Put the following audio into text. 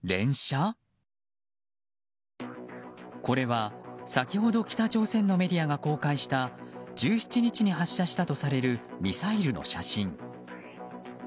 これは先ほど北朝鮮のメディアが公開した１７日に発射したとされるミサイルの写真。